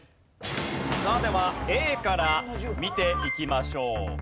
さあではＡから見ていきましょう。